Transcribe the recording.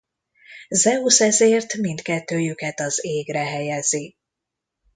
Zeusz ezért mindkettőjüket az égre helyezi.